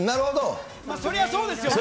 そりゃそうですよね。